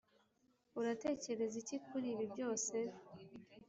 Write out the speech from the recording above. uratekereza iki kuri ibi byose?